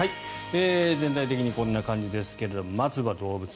全体的にこんな感じですがまずは動物。